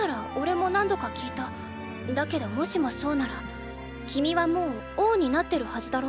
だけどもしもそうなら君はもう王になってるはずだろ？